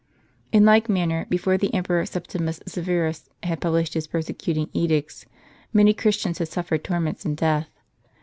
In like manner, before the Emperor Septimus Severus had published his persecuting edicts, many Christians had suffered torments and death.